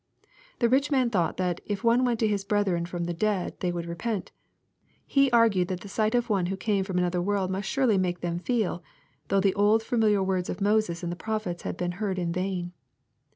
The rich man thought that " if one went to his brethren from the dead they would repent.'' He argued that the sight of one who came from another world must surely make them feel, though the old familiar words of Moses and the prophets had been heard in vain.